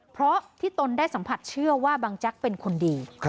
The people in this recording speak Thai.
เพราะที่ตนได้สัมผัสเชื่อว่าบังแจ๊กเป็นคนดี